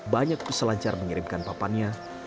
banyak peselancar mengirimkan papan selancar